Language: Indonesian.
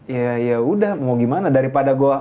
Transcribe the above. ya yaudah mau gimana daripada gue